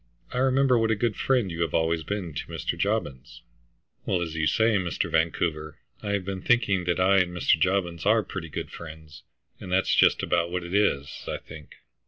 I remember what a good friend you have always been to Mr. Jobbins." "Well, as you say, Mr. Vancouver, I have been thinking that I and Mr. Jobbins are pretty good friends, and that's just about what it is, I think."